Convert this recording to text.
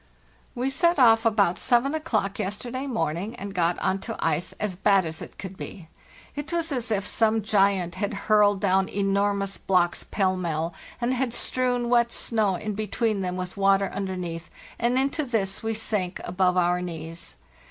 "We set off about 7 o'clock yesterday morning and got on to ice as bad it as could be. It was as if some giant had hurled down enormous blocks pell mell, and had strewn wet snow in between them with water under neath; and into this we sank above our knees.